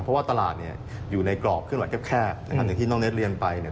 เพราะว่าตลาดเนี่ยอยู่ในกรอบเควรวนแคบถึงที่นอกเน็ตเรียนไปเนี่ย